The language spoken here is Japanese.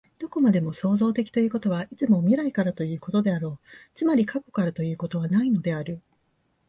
どこまでも創造的ということは、いつも未来からということであろう、つまり過去からということはないのである。